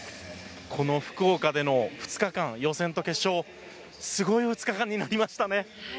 この福岡での２日間予選と決勝すごい２日間になりましたね。